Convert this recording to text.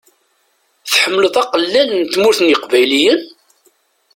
Tḥemmel aqellal n Tmurt n yeqbayliyen?